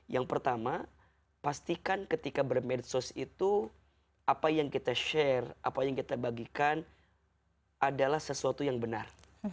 yang pertama pastikan ketika bermedsos itu apa yang kita share apa yang kita bagikan adalah sesuatu yang benar